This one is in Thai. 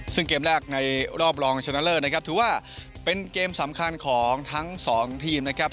ซึ่งเกมแรกในรอบรองชนะเลิศนะครับถือว่าเป็นเกมสำคัญของทั้งสองทีมนะครับ